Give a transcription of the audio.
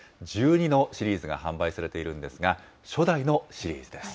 １２のシリーズが販売されているんですが、初代のシリーズです。